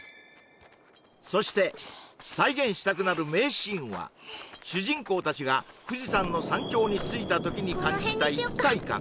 そして再現したくなる名シーンは主人公達が富士山の山頂に着いた時に感じた一体感